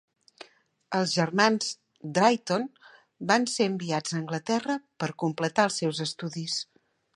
Els germans Drayton van ser enviats a Anglaterra per completar els seus estudis.